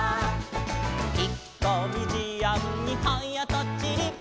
「ひっこみじあんにはやとちり」